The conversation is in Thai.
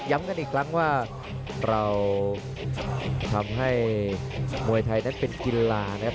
กันอีกครั้งว่าเราทำให้มวยไทยนั้นเป็นกีฬานะครับ